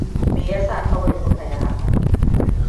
Me yasa kawai kuka yi hakan?